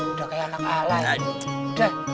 udah kayak anak alat